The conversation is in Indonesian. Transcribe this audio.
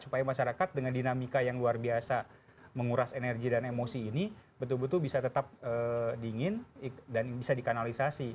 supaya masyarakat dengan dinamika yang luar biasa menguras energi dan emosi ini betul betul bisa tetap dingin dan bisa dikanalisasi